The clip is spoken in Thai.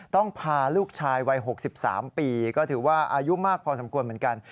พาลูกชายวัย๖๓ปีก็ถือว่าอายุมากพอสมควรเหมือนกัน